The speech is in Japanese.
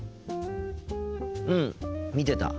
うん見てた。